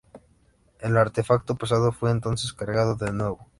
El artefacto pesado fue entonces cargado de nuevo.